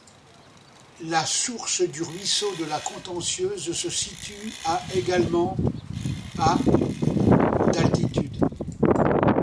La source du ruisseau de la Contentieuse se situe à également à d'altitude.